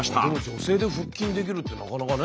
女性で腹筋できるってなかなかね。